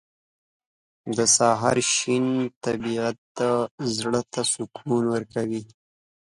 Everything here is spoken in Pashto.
• د سهار شین طبیعت زړه ته سکون ورکوي.